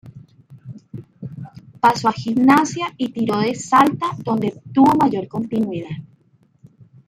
Pasó a Gimnasia y Tiro de Salta donde tuvo mayor continuidad.